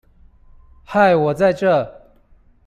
嗨我在這